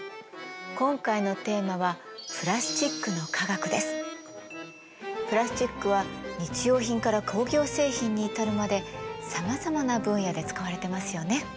今回のテーマはプラスチックは日用品から工業製品に至るまでさまざまな分野で使われてますよね。